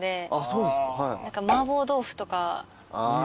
そうです。